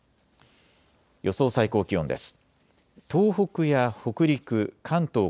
予想最高気温です。